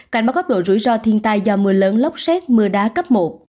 cảnh báo gấp độ rủi ro thiên tai do mưa lớn lốc xét mưa đá cấp một